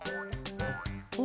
お？